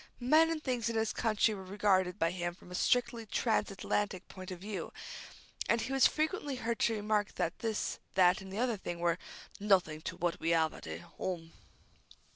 Men and things in this country were regarded by him from a strictly trans Atlantic point of view, and he was frequently heard to remark that this, that, and the other thing were "nothink to what we 'ave at 'ome."